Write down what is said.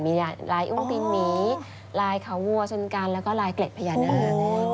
มีลายอุ้งตีนหมีลายเขาวัวชนกันแล้วก็ลายเกล็ดพญานาค